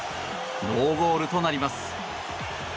ノーゴールとなります。